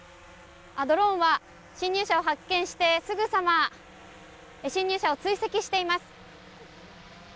ドローンは、侵入者を発見してすぐさま侵入者を追跡しています。